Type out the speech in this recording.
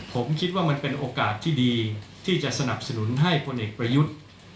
ผมคิดว่ามันเป็นโอกาสที่ดีที่จะสนับสนุนให้พลเอกประยุทธ์